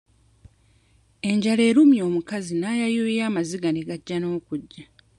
Enjala erumye omukazi n'ayayuuya amaziga ne gajja n'okujja.